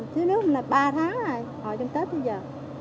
thứ nước mình là ba tháng rồi hồi trong tết bây giờ